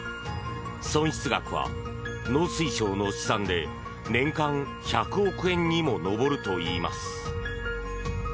損失額は、農水省の試算で年間１００億円にも上るといいます。